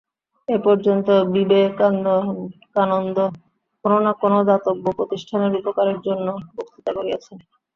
এ পর্যন্ত বিবে কানন্দ কোন না কোন দাতব্য প্রতিষ্ঠানের উপকারের জন্য বক্তৃতা করিয়াছেন।